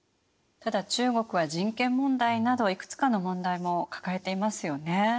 ただ中国は人権問題などいくつかの問題も抱えていますよね。